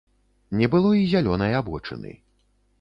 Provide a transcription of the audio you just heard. Не было і зялёнай абочыны.